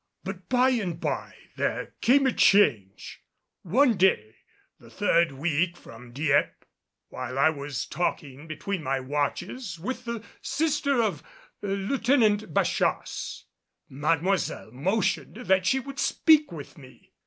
But by and by there came a change. One day, the third week from Dieppe, while I was talking between my watches with the sister of Lieutenant Bachasse, Mademoiselle motioned that she would speak with me.